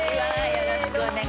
よろしくお願いします。